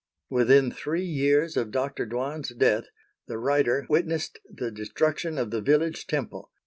Within three years of Dr. Dwan's death, the writer witnessed the destruction of the village Temple.